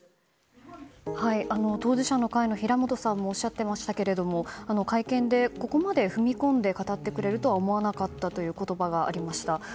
当事者の会の平本さんもおっしゃっていましたけど会見でここまで踏み込んで語ってくれるとは思わなかったという言葉がありました。